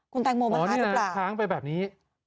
คุณแตงโมบังคัดหรือเปล่าอ๋อนี่นะค้างไปแบบนี้